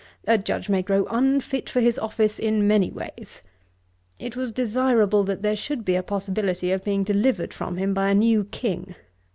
A Judge may grow unfit for his office in many ways. It was desirable that there should be a possibility of being delivered from him by a new King.